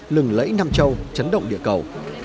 lừng lẫy nam châu chấn động địa cầu